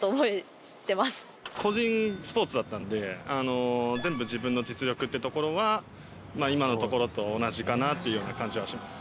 個人スポーツだったんで全部自分の実力ってところはまあ今のところと同じかなっていうような感じはします。